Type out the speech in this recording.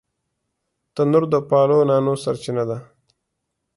تنور د پالو نانو سرچینه ده